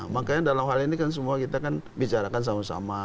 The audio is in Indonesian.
makanya dalam hal ini kan semua kita kan bicarakan sama sama